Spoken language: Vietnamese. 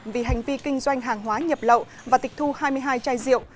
vì hành vi kinh doanh hàng hóa nhập lậu và tịch thu hai mươi hai chai rượu